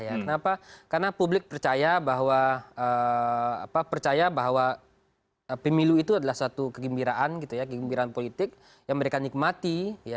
kenapa karena publik percaya bahwa pemilu itu adalah suatu kegembiraan politik yang mereka nikmati